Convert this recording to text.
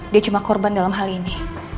dia cuma korban dalam hal ini